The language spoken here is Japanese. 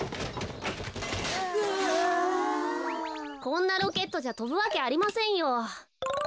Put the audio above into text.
こんなロケットじゃとぶわけありませんよ。